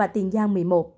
tiền giang một mươi một